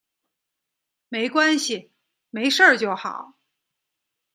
没关系，没事就好